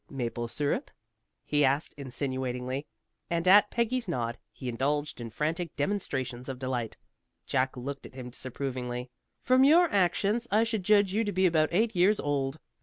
"Maple sirup?" he asked insinuatingly, and at Peggy's nod, he indulged in frantic demonstrations of delight. Jack looked at him disapprovingly. "From your actions I should judge you to be about eight years old."